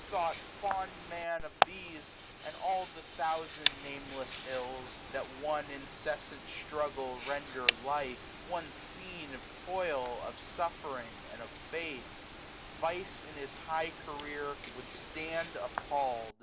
Thought fond Man Of these, and all the thousand nameless ills. That one incessant struggle render life, 350 One scene of toil, of suffering and of fate; Vice in his high career would (land appall'd.